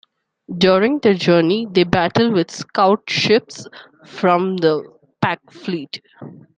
During their journey they battle with scout ships from the Pak fleet.